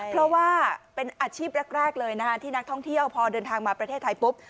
เพราะว่าเป็นอาชีพแรกเลยนะคะที่นักท่องเที่ยวพอเดินทางมาประเทศไทยปุ๊บ